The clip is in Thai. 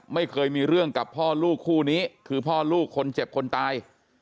ไม่เคยมีเรื่องกับพ่อลูกคู่นี้คือพ่อลูกคนเจ็บคนตาย